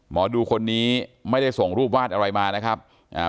หมอดูคนนี้ไม่ได้ส่งรูปวาดอะไรมานะครับอ่า